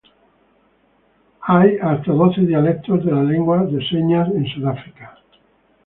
Hay hasta doce dialectos de la lengua de señas en Sudáfrica.